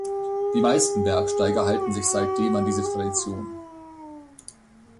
Die meisten Bergsteiger halten sich seitdem an diese Tradition.